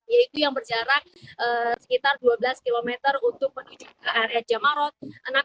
yaitu yang berjarak sekitar dua belas km untuk menuju ke area jamarot